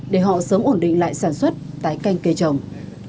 để họ sớm ổn định lại sản xuất tái canh cây trồng